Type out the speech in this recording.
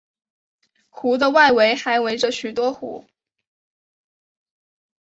湖的外围还围着许多湖。